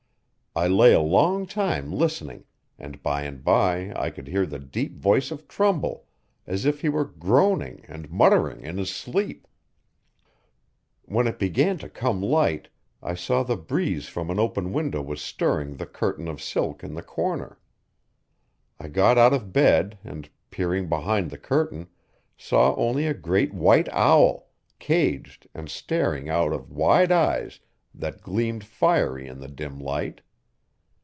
I lay a long time listening and by and by I could hear the deep voice of Trumbull as if he were groaning and muttering in his sleep. When it began to come light I saw the breeze from an open window was stirring the curtain of silk in the corner. I got out of bed and, peering behind the curtain, saw only a great white owl, caged and staring out of wide eyes that gleamed fiery in the dim light.